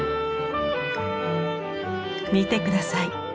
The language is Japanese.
見て下さい。